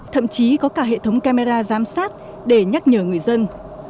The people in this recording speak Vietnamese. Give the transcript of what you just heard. thậm chí có cả hệ thống camera giám sát để nhắc nhở người dân